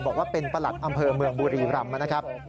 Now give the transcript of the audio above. บอกว่าเป็นประหลัดอำเภอเมืองบุรีรำนะครับ